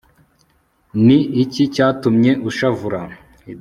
ni iki cyatumye ushavura